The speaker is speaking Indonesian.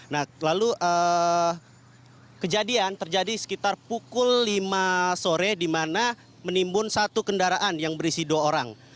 nah lalu kejadian terjadi sekitar pukul lima sore di mana menimbun satu kendaraan yang berisi dua orang